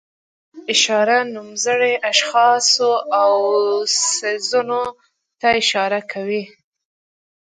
اشاري نومځري اشخاصو او څیزونو ته اشاره کوي.